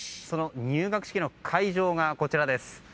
その入学式の会場がこちらです。